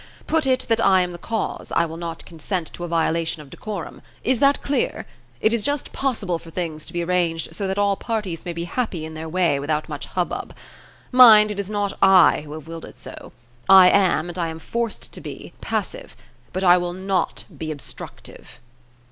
Put it that I am the cause, I will not consent to a violation of decorum. Is that clear? It is just possible for things to be arranged so that all parties may be happy in their way without much hubbub. Mind, it is not I who have willed it so. I am, and I am forced to be, passive. But I will not be obstructive."